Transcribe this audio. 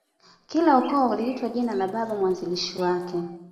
Kila ukoo uliitwa jina la Baba mwanzilishi wake